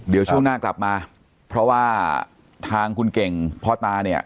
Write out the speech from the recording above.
เดี๋ยวช่วงหน้ากลับมาเพราะว่าทางคุณเก่งพ่อตาเนี่ย